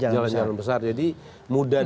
jalan jalan besar jadi mudah